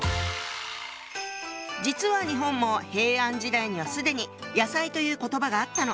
実は日本も平安時代には既に「野菜」という言葉があったの。